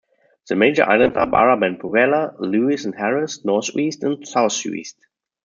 The major islands are Barra, Benbecula, Lewis and Harris, North Uist and South Uist.